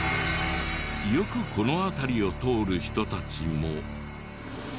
よくこの辺りを通る人たちも。